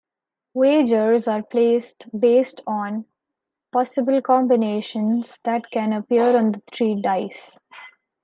Wagers are placed based on possible combinations that can appear on the three dice.